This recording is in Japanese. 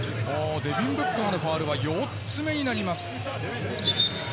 デビン・ブッカーのファウルは４つ目になります。